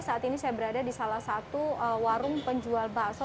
saat ini saya berada di salah satu warung penjual bakso